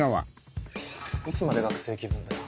いつまで学生気分だよ